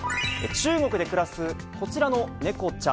中国で暮らすこちらの猫ちゃん。